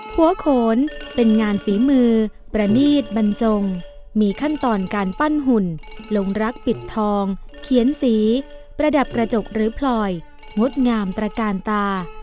หัวโขนเป็นงานฝีมือประณีตบรรจงมีขั้นตอนการปั้นหุ่นลงรักปิดทองเขียนสีประดับกระจกหรือพลอยงดงามตระกาลตา